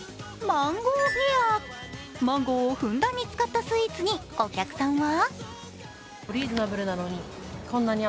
マンゴーをふんだんに使ったスイーツに、お客さんは？